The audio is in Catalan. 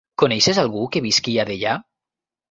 Coneixes algú que visqui a Deià?